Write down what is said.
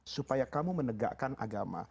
supaya kamu menegakkan agama